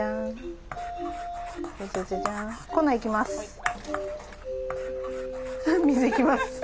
粉いきます。